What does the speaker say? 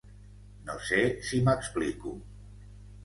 No sé si m’explico.